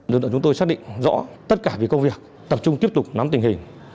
đối tượng chúng tôi xác định rõ tất cả vì công việc tập trung tiếp tục nắm tình hình